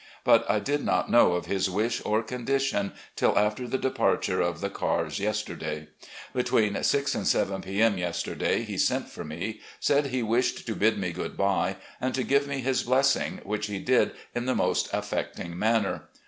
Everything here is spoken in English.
But I did not know of his wish or condition till after the departure of the cars yesterday. Between 6 and 7 p. m. yesterday he sent for me, said he wished to bid me good bye, and to give me his blessing, which he did in the most affecting manner.